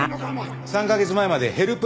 ３カ月前までヘルプ